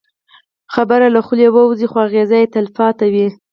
خبره له خولې ووځي، خو اغېز یې تل پاتې وي.